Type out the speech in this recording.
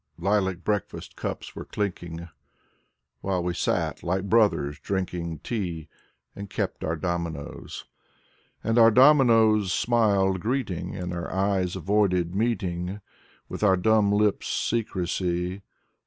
Lilac breakfast cups were clinking While we sat like brothers drinking Tea, — and kept our dominoes. And our dominoes smiled greeting, And our eyes avoided meeting With our dumb lips' secrecy.